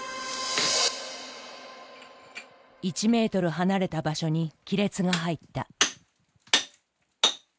１ｍ離れた場所に亀裂が入った。